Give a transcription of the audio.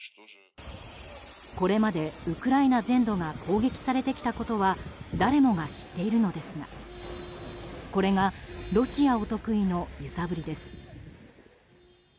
これまでウクライナ全土が攻撃されてきたことは誰もが知っているのですがこれがロシアお得意の揺さぶりです。